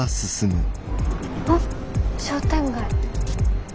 あ商店街。